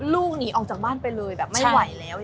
ลูกหนีออกจากบ้านไปเลยแบบไม่ไหวแล้ว